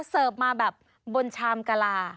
เสิร์ฟมาแบบบนชามกะลา